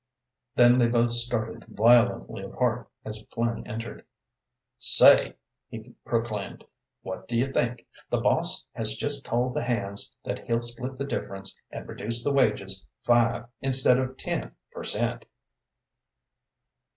Then they both started violently apart as Flynn entered. "Say!" he proclaimed, "what do you think? The boss has just told the hands that he'll split the difference and reduce the wages five instead of ten per cent."